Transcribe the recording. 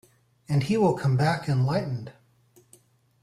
And he will come back enlightened.